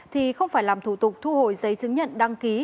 thì không phải làm thủ tục thu hồi giấy chứng nhận đăng ký